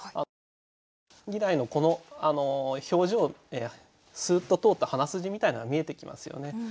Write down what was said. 負けず嫌いの子の表情スーッと通った鼻筋みたいなの見えてきますよね。